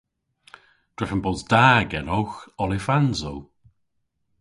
Drefen bos da genowgh olifansow.